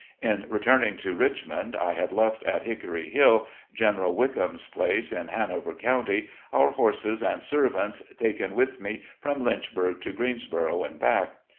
In returning to Richmond, I had left at " Hickory Hill," General Wickham's place in Hanover County, our horses and servants, taken with me from Lynchburg to Greens boro and back.